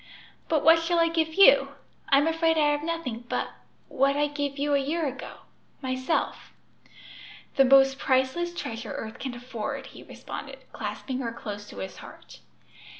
"But what shall I give you? I'm afraid I have nothing but what I gave you a year ago myself." "The most priceless treasure earth can afford!" he responded, clasping her close to his heart.